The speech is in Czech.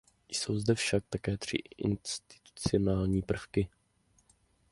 Jsou zde však také tři institucionální prvky.